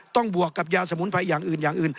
บวกกับยาสมุนไพรอย่างอื่นอย่างอื่น